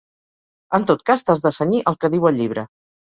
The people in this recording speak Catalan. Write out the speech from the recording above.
En tot cas t'has de cenyir al que diu el llibre.